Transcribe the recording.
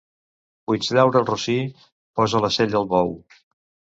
Puix llaura el rossí, posa la sella al bou.